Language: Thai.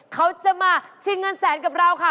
เขาจะมาชิงเงินแสนกับเราค่ะ